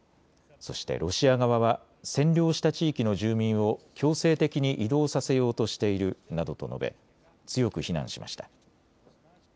そしてロシア側は占領した地域の住民を強制的に移動させようとしているなどと述べ、強く非難しました。